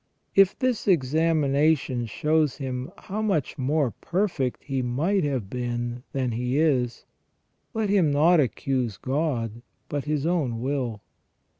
If this examina tion shows him how much more perfect he might have been than he is, let him not accuse God but his own will.